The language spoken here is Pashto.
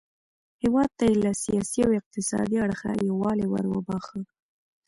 هیواد ته یې له سیاسي او اقتصادي اړخه یووالی وروباښه.